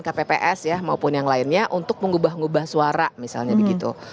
kpps ya maupun yang lainnya untuk mengubah ngubah suara misalnya begitu